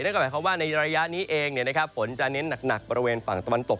ก็หมายความว่าในระยะนี้เองฝนจะเน้นหนักบริเวณฝั่งตะวันตก